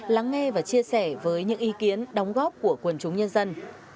lắng nghe và chia sẻ với những ý kiến đóng góp của quần chúng nhân dân